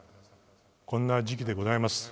こんな時期でございます。